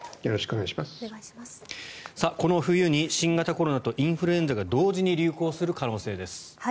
この冬に新型コロナとインフルエンザが同時に流行する可能性です。